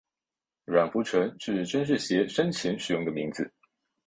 阮福淳是尊室协生前使用的名字。